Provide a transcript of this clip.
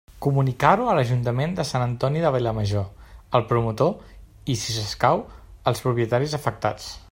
Comunicar-ho a l'Ajuntament de Sant Antoni de Vilamajor, al promotor i, si escau, als propietaris afectats.